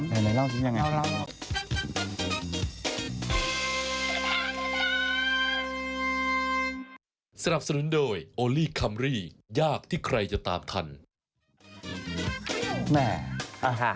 เห็นไหมเล่าจริงยังไง